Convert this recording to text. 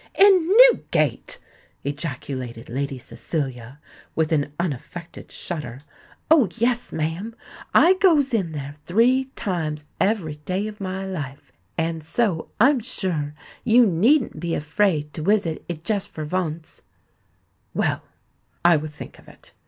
"In Newgate!" ejaculated Lady Cecilia, with an unaffected shudder. "Oh! yes, ma'am: I goes in there three times every day o' my life; and so I'm sure you needn't be afraid to wisit it just for vonce." "Well—I will think of it.